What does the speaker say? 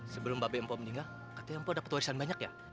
sebelum mbak mbak mbak meninggal katanya mbak dapat warisan banyak ya